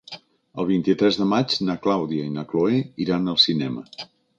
El vint-i-tres de maig na Clàudia i na Cloè iran al cinema.